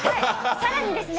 さらにですね